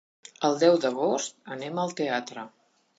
El deu d'agost anem al teatre.